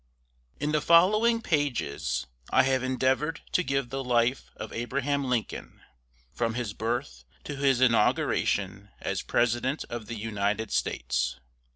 IN the following pages I have endeavored to give the life of Abraham Lincoln, from his birth to his inauguration as President of the United States.